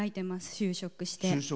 就職して。